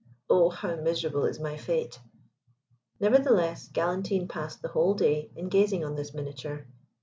Oh, how miserable is my fate!" Nevertheless, Galantine passed the whole day in gazing on this miniature.